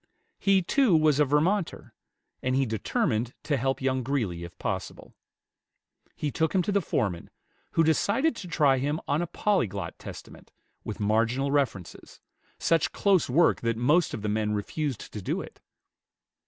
He, too, was a Vermonter, and he determined to help young Greeley, if possible. He took him to the foreman, who decided to try him on a Polyglot Testament, with marginal references, such close work that most of the men refused to do it.